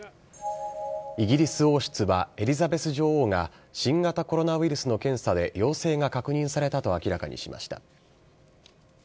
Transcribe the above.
イギリス王室は、エリザベス女王が新型コロナウイルスの検査で陽性が確認されたと明らかにしました。